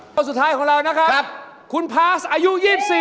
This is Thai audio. คนสุดท้ายของเรานะครับคุณพาสอายุ๒๔